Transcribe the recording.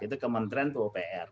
itu kementerian ke opr